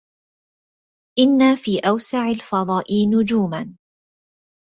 إن في أوسع الفضاء نجوما